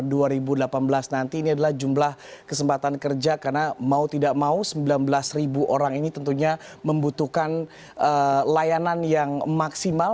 pada oktober dua ribu delapan belas nanti ini adalah jumlah kesempatan kerja karena mau tidak mau sembilan belas ribu orang ini tentunya membutuhkan layanan yang maksimal